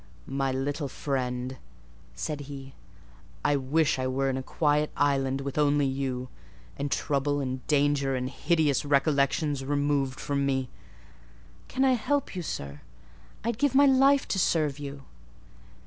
"My little friend!" said he, "I wish I were in a quiet island with only you; and trouble, and danger, and hideous recollections removed from me." "Can I help you, sir?—I'd give my life to serve you."